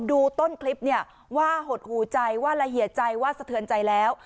ดูต้นคลิปเนี่ยว่าหดหูใจว่าละเอียดใจว่าสะเทือนใจแล้ว